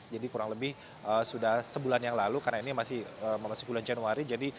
jadi kurang lebih sudah sebulan yang lalu karena ini masih bulan januari